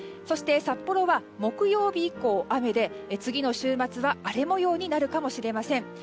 そして、札幌は木曜日以降雨で次の週末は荒れ模様になるかもしれません。